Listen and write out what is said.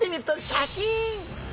シャキーン！